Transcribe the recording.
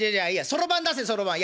そろばん出せそろばん」。